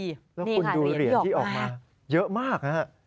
แล้วคุณดูเหรียญที่ออกมาเยอะมากนะฮะ